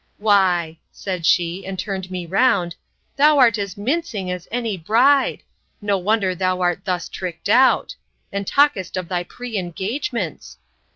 —Why, said she, and turned me round, thou art as mincing as any bride! No wonder thou art thus tricked out, and talkest of thy pre engagements!